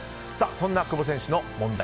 そんな久保選手の問題